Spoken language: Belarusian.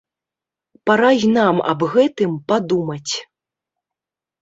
Пара і нам аб гэтым падумаць!